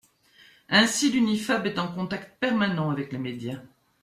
Ainsi, l'Unifab est en contact permanent avec les médias.